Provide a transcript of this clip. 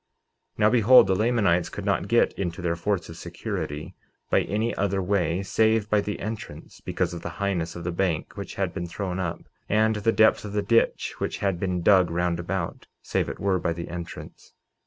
49:18 Now behold, the Lamanites could not get into their forts of security by any other way save by the entrance, because of the highness of the bank which had been thrown up, and the depth of the ditch which had been dug round about, save it were by the entrance.